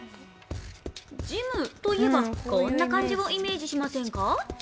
ジムといえばこんな感じをイメージしませんか？